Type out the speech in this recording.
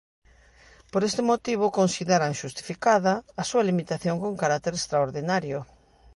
Por este motivo, consideran "xustificada" a "súa limitación con carácter extraordinario".